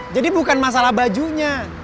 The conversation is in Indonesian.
jadi bukan masalah bajunya